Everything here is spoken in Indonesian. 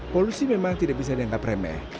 polusi memang tidak bisa dianggap remeh